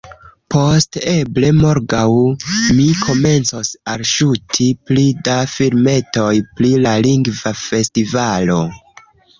Post eble morgaŭ, mi komencos alŝuti pli da filmetoj pri la Lingva Festivalo.